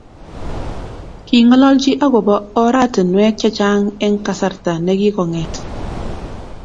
Ki ngololchi agobo oratinwek chechang eng kasarta nekikonget